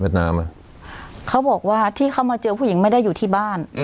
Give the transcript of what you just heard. เขาบอกว่าที่เขามาเจอผู้หญิงไม่ได้อยู่ที่บ้าน